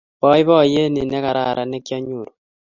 Boiboiyet ni negararan nekyanyoru